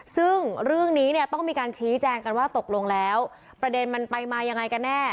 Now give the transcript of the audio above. ซึ่งเรื่องนี้เนี่ยต้องมีการชี้แจงกันว่าตกลงแล้วประเด็นมันไปมายังไงกันแน่